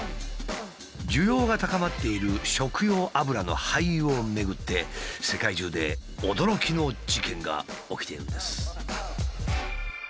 需要が高まっている食用油の廃油をめぐって世界中で驚きの事件が起きているんです。